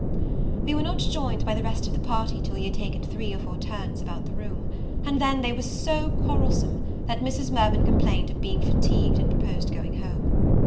We were not joined by the rest of the party till we had taken three or four turns around the room; and then they were so quarrelsome, that Mrs. Mirvan complained of being fatigued and proposed going home.